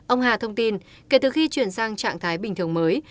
ông hà thông tin kể từ khi chuyển sang trạng thái bình thường mới